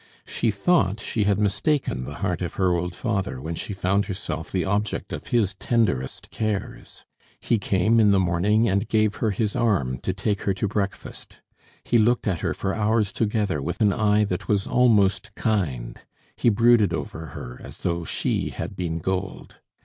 She thought she had mistaken the heart of her old father when she found herself the object of his tenderest cares. He came in the morning and gave her his arm to take her to breakfast; he looked at her for hours together with an eye that was almost kind; he brooded over her as though she had been gold.